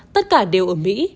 tất cả đều ở mỹ